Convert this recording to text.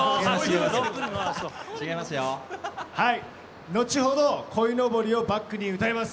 はい後ほど鯉のぼりをバックに歌います。